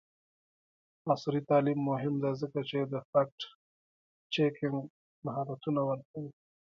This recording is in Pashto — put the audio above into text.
عصري تعلیم مهم دی ځکه چې د فکټ چیکینګ مهارتونه ورکوي.